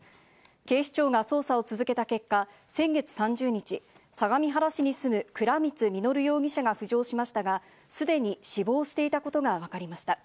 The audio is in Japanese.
警視庁が捜査を続けた結果、先月３０日、相模原市に住む倉光実容疑者が浮上しましたが、すでに死亡していたことがわかりました。